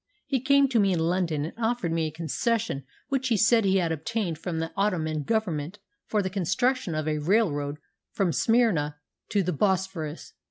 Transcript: He came to me in London and offered me a concession which he said he had obtained from the Ottoman Government for the construction of a railroad from Smyrna to the Bosphorus.